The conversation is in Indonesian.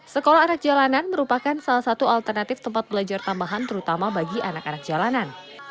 sekolah anak jalanan merupakan salah satu alternatif tempat belajar tambahan terutama bagi anak anak jalanan